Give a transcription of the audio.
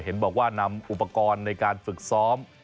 เห็นบอกว่านำอุปกรณ์ในการฝึกซ้อม